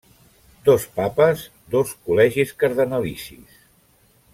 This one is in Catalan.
Dos Papes, dos col·legis cardenalicis.